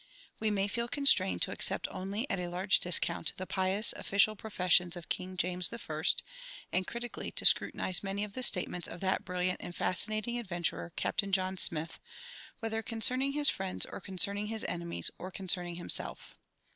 We may feel constrained to accept only at a large discount the pious official professions of King James I., and critically to scrutinize many of the statements of that brilliant and fascinating adventurer, Captain John Smith, whether concerning his friends or concerning his enemies or concerning himself.